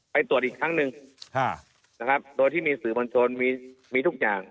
ตรวจอีกครั้งหนึ่งนะครับโดยที่มีสื่อมวลชนมีทุกอย่าง